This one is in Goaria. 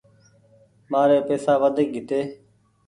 مآري پئيسا وڍيڪ هيتي۔